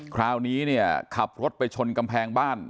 คราวนี้เนี่ยขับรถไปชนกำแพงบ้าน